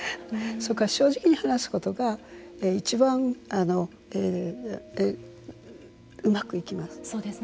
それから正直に話すことがいちばんうまくいきます。